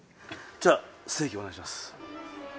じゃあステーキお願いします。